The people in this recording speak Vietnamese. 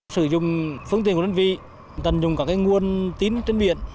sử dụng phương tiện của đơn vị tận dụng các nguồn tín trên biển